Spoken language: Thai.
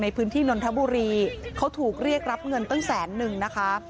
ในพื้นที่นนทบุรีเขาถูกเรียกรับเงินตั้งแสนนึงนะคะ